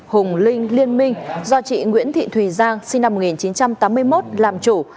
hùng linh liên minh do chị nguyễn thị thùy giang sinh năm một nghìn chín trăm tám mươi một làm chủ